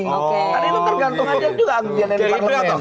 tadi lu tergantung aja juga anggunnya mk